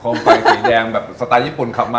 ไฟสีแดงแบบสไตล์ญี่ปุ่นขับมา